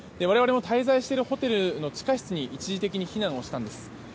我々も滞在しているホテルの地下室に一時的に避難したんです。